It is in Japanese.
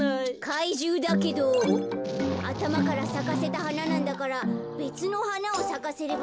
かいじゅうだけどあたまからさかせたはななんだからべつのはなをさかせればぬけられんじゃないかな？